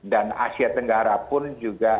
dan asia tenggara pun juga